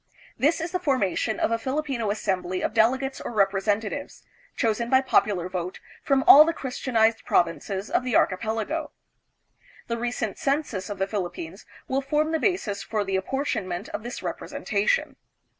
This is the formation of a Filipino assembly of delegates or representatives, chosen by popular vote from all the Christianized provinces of the archipelago. The recent census of the Philippines will form the basis for the apportionment of this representation.